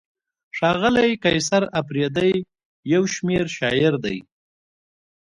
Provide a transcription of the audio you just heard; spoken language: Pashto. ښاغلی قیصر اپریدی یو شمېر شاعر دی.